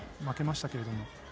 負けましたけれども。